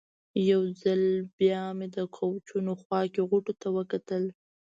یو ځل بیا مې د کوچونو خوا کې غوټو ته وکتل.